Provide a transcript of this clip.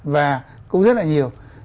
và cũng rất là nhiều